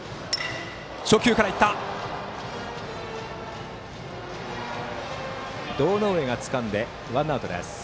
初球からいったが堂上がつかんで、ワンアウト。